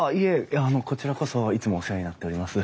いやあのこちらこそいつもお世話になっております。